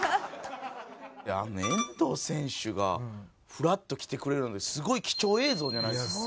あの遠藤選手がふらっと来てくれるのすごい貴重映像じゃないですか？